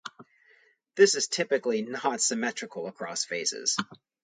This is typically not symmetrical across phases.